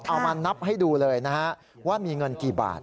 เอามานับให้ดูเลยนะฮะว่ามีเงินกี่บาท